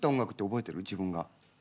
自分が。